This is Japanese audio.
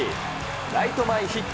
ライト前ヒット。